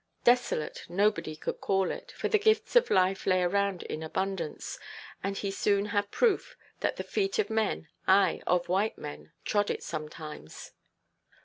"Desolate" nobody could call it, for the gifts of life lay around in abundance, and he soon had proof that the feet of men, ay, of white men, trod it sometimes.